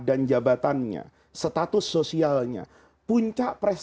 dan jabatannya status sosialnya puncak prestasi saya sebagai manusia yang berpengaruh pada